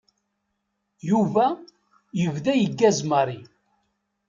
Yuba yebda yeggaz Mary.